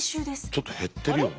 ちょっと減ってるよね。